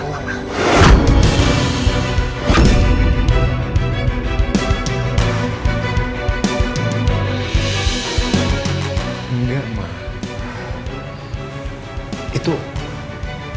aduh aduh aduh